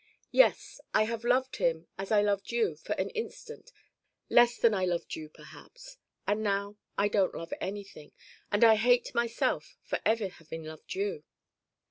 "Yes, I have loved him as I loved you for an instant less than I loved you, perhaps. And now I don't love anything. And I hate myself for ever having loved you."